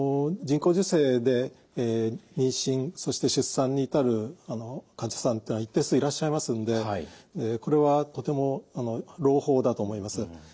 人工授精で妊娠そして出産に至る患者さんというのは一定数いらっしゃいますんでこれはとても朗報だと思います。